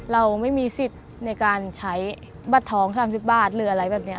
เราไม่มีสิทธิ์ในการใช้บัตรท้อง๓๐บาทหรืออะไรแบบนี้